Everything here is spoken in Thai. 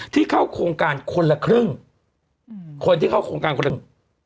เข้าโครงการคนละครึ่งอืมคนที่เข้าโครงการคนละ